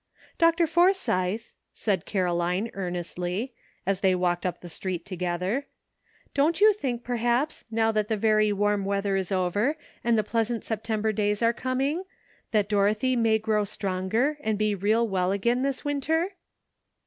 ''Dr. Forsythe," said Caroline earnestly, as they walked up the street together, '' don't you think perhaps, now that the very warm weather is over, and the pleasant September days are coming, that Dorothy may grow stronger, and be real well again this winter